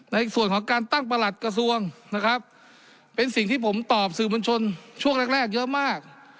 ในส่วนของการตั้งประหลัดกระทรวงนะครับเป็นสิ่งที่ผมตอบสื่อมวลชนช่วงแรกแรกเยอะมาก